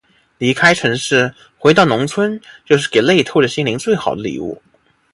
离开城市，回到农村，就是给累透的心灵最好的礼物。